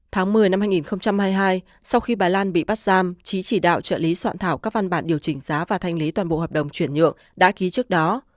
tháng một mươi năm hai nghìn hai mươi hai sau khi bà lan bị bắt giam chí chỉ đạo trợ lý soạn thảo các văn bản điều chỉnh giá và thanh lý toàn bộ hợp đồng chuyển nhượng đã ký trước đó